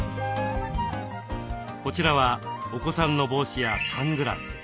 こちらはお子さんの帽子やサングラス。